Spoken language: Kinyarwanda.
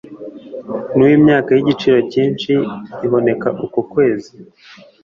n uw imyaka y igiciro cyinshi iboneka uko kwezi